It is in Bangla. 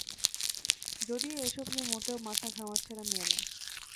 যদিও এসব নিয়ে মোটেও মাথা ঘামাচ্ছে না মেয়েরা।